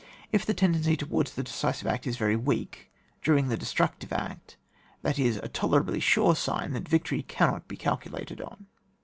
If the tendency towards the deci sive act is very weak during the destruc tive act, that is a tolerably sure sign that yictory cannot be calciJated on.